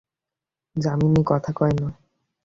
যামিনী কথা কয় না।